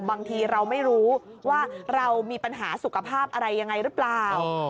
บางทีเราไม่รู้ว่าเรามีปัญหาสุขภาพอะไรยังไงหรือเปล่า